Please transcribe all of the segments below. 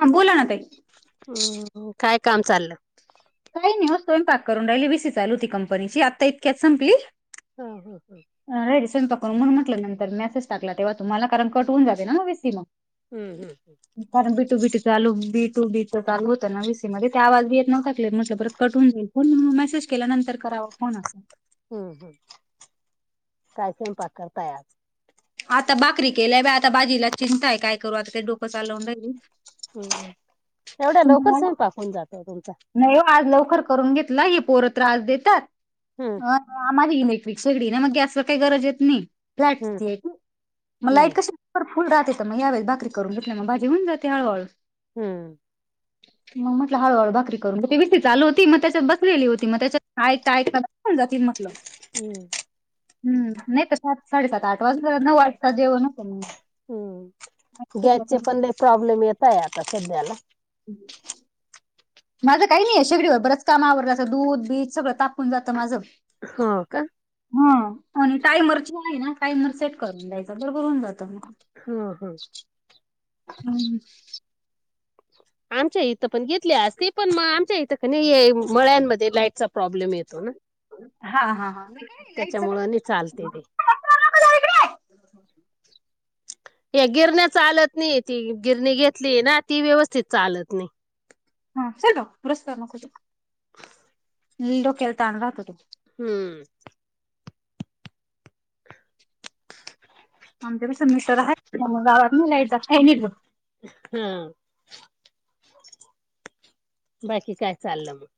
हा बोला ना ताई. हम्म, काय काम चाल? काही नाही हो स्वयंपाक करून राहिली वि सी चालू होती कंपनीची आता इतक्याच संपली. हम्म, हम्म, हम्म. रेडी स्वयंपाक करून म्हणून म्हटलं नंतर मेसेज टाकला तेव्हा तुम्हाला कारण कट होऊन जाते ना वि सी मग. हम्म, हम्म, हम्म. कारण बी टू बी टु चालू बी टू बी च चालू होतं वी सी मध्ये ते बी आवाज येत नव्हता क्लियर म्हटलं परत कटून जाईल. फोन मेसेज केल्या नंतर करावा फोन अस. हम्म, हम्म काय स्वयंपाक करताय आज? आता बाकरी केल्याय बाय आता भाजिला चिंताय काय करू आता ते डोकं चालवून राहिली. हम्म, एवढ्या तुमचं लवकर झालं? स्वयंपाक हुन जातो तुमचा? नाही हो आज लवकर करून घेतला हे पोर त्रास देतात. हम्म. अ आम्हाले इलेक्ट्रिक शेगडी आहे ना मग गॅसला काही गरज येत नाही. फ्लॅट हम्म की मग लाईट हम्म कशाला बर फुल राहते तर मग यावेळेस भाकरी करुन घेतली मग भाजी होऊन जाते हळहळू. हम्म. मग म्हटलं हळूहळू बाकरी करून घेते वि सी चालू होती मग त्याच्यात बसलेली होती मग त्याच्यात ऐकता, ऐकता होऊन जातील म्हटलं. हम्म. हम्म, नाही तर सात, साडेसात, आठ वाजल नऊ वाजे हम्म, गॅसचे पण लय प्रॉब्लेम येताय आता सध्याला. हम् [unintelligible] माझं काही नाही आहे शेगडीवर बरंच काम आवरडलं असं दूध बीध सगळं तापून जातं माझं. हो का. हा आणि टाईयमरची आहे ना टाईयमर सेट करून द्यायचं बरोबर होऊन जातं मग. हा हा. हम्म. आमच्या इथं पण घेतली आसती ते पण मग इथं हे मळ्यांमध्ये ते लाईट चा प्रॉब्लेम येतो ना. हा हा हा नाही लाईट चा त्याच्यामुळ नाही चालते ते. [unintelligible] का- [inaudible] त्या गिरण्या चालत नाही ती गिरणी घेतली ना ती व्यवस्थ स्थित चालत नाही. हा सीट डाऊन रस्त्यावर नको जाऊ. लय डोक्याला ताण राहतो तो. हम्म. आमच्या पाशी मिटर आहे गावातली लाईट जात नाही बग- [unintelligible] हम्म. बाकी काय चाललं मग?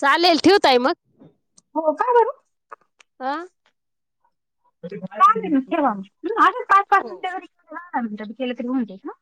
चालेल ठेऊ ताई मग? हो, का बरं? आ हा चालेल ठेवा, आणि काय? हो. हा नंतर बी केलं तरी होऊन जाईल हा-